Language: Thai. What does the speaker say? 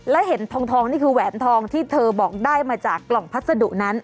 และเห็นทองนี่คือแหวนทองที่เธอบอกได้มาจากกล่องพัสดุนั้น